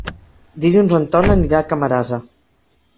Dilluns en Ton anirà a Camarasa.